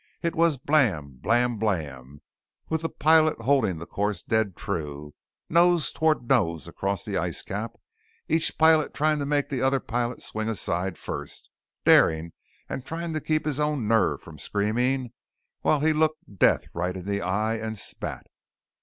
It was Blam! Blam! Blam! with the pilot holding the course dead true, nose toward nose across the ice cap, each pilot trying to make the other pilot swing aside first, daring and trying to keep his own nerves from screaming while he looked death right in the eye and spat.